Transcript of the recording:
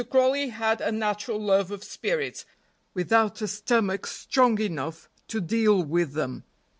Crawley had a natural love of spirits, without a stomach strong enough to deal with them.